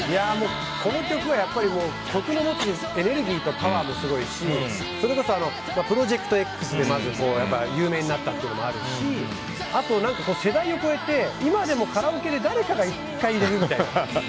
この曲はやっぱり曲の持つエネルギーとパワーもすごいしそれこそ「プロジェクトＸ」で有名になったっていうのもあるし世代を超えて今でもカラオケで誰かが１回入れるみたいな。